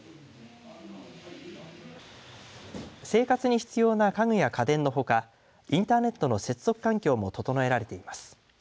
生活に必要な家具や家電のほかインターネットの接続環境も整えられています。